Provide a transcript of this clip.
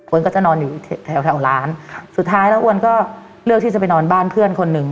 ก็จะนอนอยู่แถวแถวร้านสุดท้ายแล้วอ้วนก็เลือกที่จะไปนอนบ้านเพื่อนคนหนึ่ง